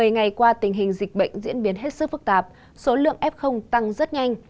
một mươi ngày qua tình hình dịch bệnh diễn biến hết sức phức tạp số lượng f tăng rất nhanh